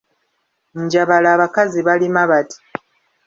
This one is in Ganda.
Njabala abakazi balima bati,